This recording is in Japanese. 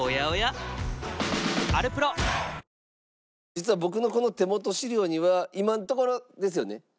実は僕のこの手元資料には今のところですよね？